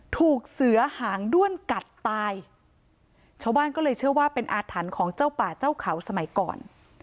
ถูกเสือหางด้วนกัดตายชาวบ้านก็เลยเชื่อว่าเป็นอาถรรพ์ของเจ้าป่าเจ้าเขาสมัยก่อน